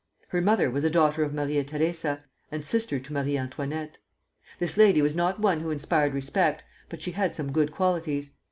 Her mother was a daughter of Maria Theresa, and sister to Marie Antoinette. This lady was not one who inspired respect, but she had some good qualities.